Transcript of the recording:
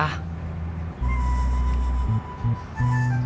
suatu saat nanti kita pasti menikmati